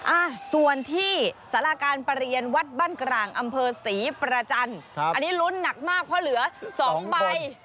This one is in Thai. อ่ะส่วนที่สาราการประเรียนวัดบ้านกลางอำเภอศรีประจันทร์ครับอันนี้ลุ้นหนักมากเพราะเหลือสองใบ